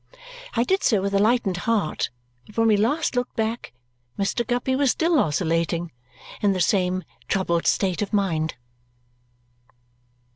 I did so with a lightened heart; but when we last looked back, Mr. Guppy was still oscillating in the same troubled state of mind.